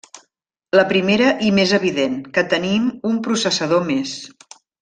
La primera i més evident: que tenim un processador més.